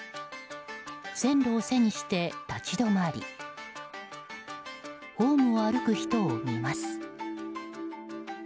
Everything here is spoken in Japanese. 線路を背にして立ち止まりホームを歩く人を見ます。